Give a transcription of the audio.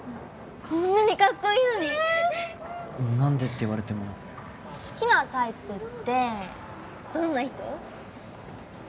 こんなにカッコいいのにねえ何でって言われても好きなタイプってどんな人？